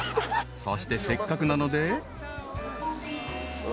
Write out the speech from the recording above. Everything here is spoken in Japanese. ［そしてせっかくなので］